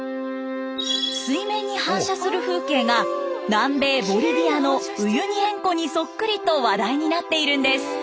水面に反射する風景が南米ボリビアのウユニ塩湖にそっくりと話題になっているんです。